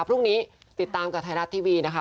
พรุ่งนี้ติดตามกับไทยรัฐทีวีนะคะ